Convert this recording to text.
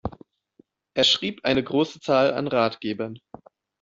Er schrieb eine große Zahl an Ratgebern.